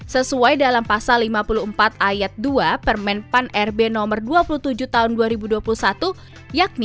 sesuai dalam pasal lima puluh empat ayat dua